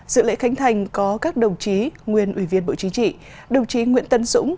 dự lễ khánh thành có các đồng chí nguyên ủy viên bộ chính trị đồng chí nguyễn tấn dũng